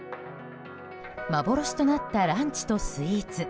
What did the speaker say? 幻となったランチとスイーツ。